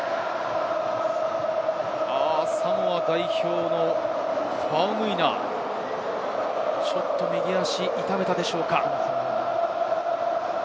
サモア代表のファウムイナ、ちょっと右足を痛めたでしょうか。